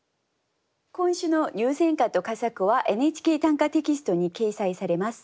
今週の入選歌と佳作は「ＮＨＫ短歌」テキストに掲載されます。